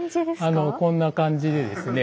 こんな感じでですね